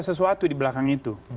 sesuatu di belakang itu